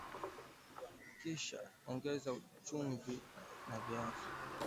Kisha ongeza chumvi na viazi